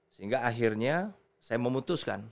sehingga akhirnya saya memutuskan